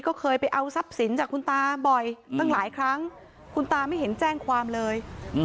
ก็เคยไปเอาทรัพย์สินจากคุณตาบ่อยตั้งหลายครั้งคุณตาไม่เห็นแจ้งความเลย